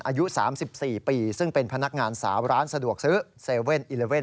อายุ๓๔ปีซึ่งเป็นพนักงานสาวร้านสะดวกซื้อ๗๑๑